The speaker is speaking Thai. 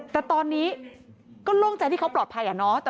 แต่ตอนนี้ก็โล่งใจที่เขาปลอดภัยอะเนาะ